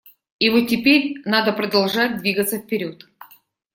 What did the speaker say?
И вот теперь надо продолжать двигаться вперед.